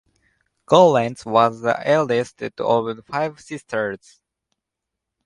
Gollancz was the eldest of five sisters.